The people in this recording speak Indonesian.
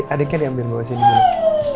adiknya diambil bawa sini dulu